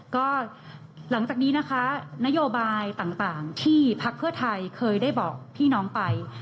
ก็หลังจากนี้นะคะนโยบายต่างที่พักเพื่อไทยเคยได้บอกพี่น้องไป